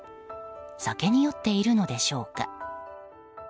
酒に酔っているのでしょうか。